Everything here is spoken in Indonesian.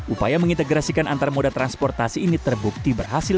upaya mengintegrasikan antarmoda transportasi ini terbukti berhasil